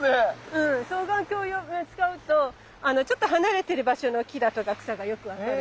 うん双眼鏡使うとちょっと離れてる場所の木だとか草がよく分かる。